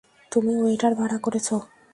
তুমি ওয়েটার ভাড়া করেছো।